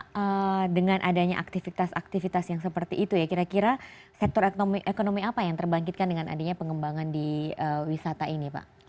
nah dengan adanya aktivitas aktivitas yang seperti itu ya kira kira sektor ekonomi apa yang terbangkitkan dengan adanya pengembangan di wisata ini pak